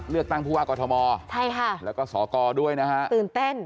เลือกตั้งผู้ว่ากอทมใช่ค่ะแล้วก็สอกอด้วยนะฮะตื่นเต้น